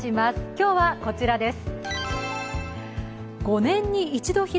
今日はこちらです。